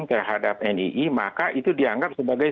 terhadap nii maka itu dianggap sebagai